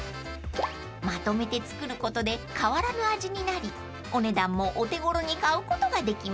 ［まとめて作ることで変わらぬ味になりお値段もお手頃に買うことができます］